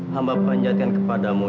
hamba panjatkan kepadamu